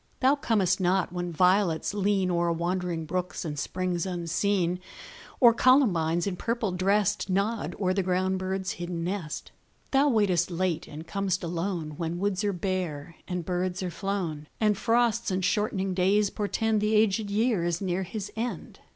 Thou comest not when violets lean O'er wandering brooks and springs unseen, Or columbines, in purple dressed, Nod o'er the ground bird's hidden nest. Thou waitest late and com'st alone, When woods are bare and birds are flown, And frosts and shortening days portend The aged year is near his end.